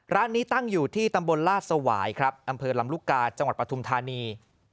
ร้านนี้ตั้งอยู่ที่ตำบลลาดสวายครับอำเภอลำลูกกาจังหวัดปฐุมธานี